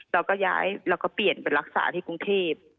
เราก็ย้ายแล้วก็เปลี่ยนไปรักษาที่กรุงเทพ